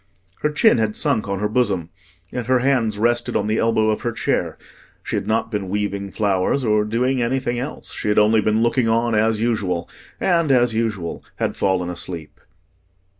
Her chin had sunk on her bosom, and her hands rested on the elbow of her chair. She had not been weaving flowers or doing anything else: she had only been looking on as usual, and as usual had fallen asleep.